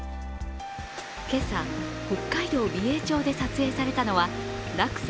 けさ、北海道美瑛町で撮影されたのは落差